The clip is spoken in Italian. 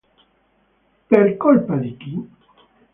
Per colpa di chi?